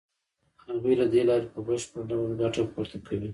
هغوی له دې لارې په بشپړ ډول ګټه پورته کوي